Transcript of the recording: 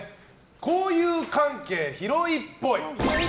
交友関係広いっぽい。